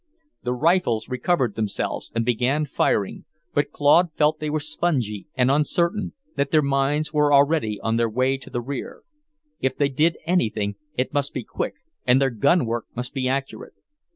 The rifles recovered themselves and began firing, but Claude felt they were spongy and uncertain, that their minds were already on the way to the rear. If they did anything, it must be quick, and their gun work must be accurate.